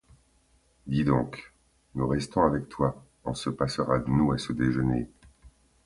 Dis donc, nous restons avec toi, on se passera de nous à ce déjeuner.